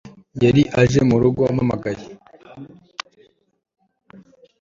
Yari aje murugo mpamagaye